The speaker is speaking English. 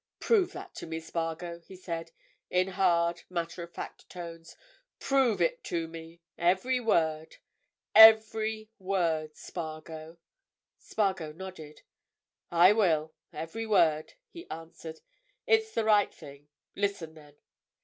"Prove that to me, Spargo," he said, in hard, matter of fact tones. "Prove it to me, every word. Every word, Spargo!" Spargo nodded. "I will—every word," he answered. "It's the right thing. Listen, then."